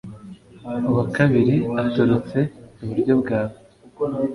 uwa kabiri uturutse iburyo bwawe